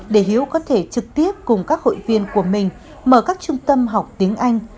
để hiếu có thể trực tiếp cùng các hội viên của mình mở các trung tâm học tiếng anh